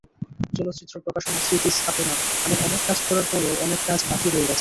চলচ্চিত্র, প্রকাশনা, স্মৃতিস্থাপনা—এমন অনেক কাজ করার পরও অনেক কাজ বাকি রয়ে গেছে।